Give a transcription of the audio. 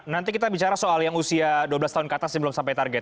nanti kita bicara soal yang usia dua belas tahun ke atas yang belum sampai target